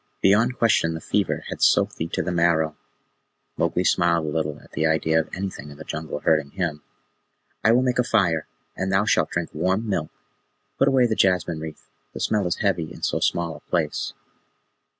Beyond question, the fever had soaked thee to the marrow." Mowgli smiled a little at the idea of anything in the Jungle hurting him. "I will make a fire, and thou shalt drink warm milk. Put away the jasmine wreath: the smell is heavy in so small a place."